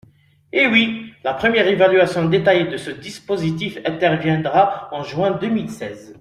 Eh oui ! La première évaluation détaillée de ce dispositif interviendra en juin deux mille seize.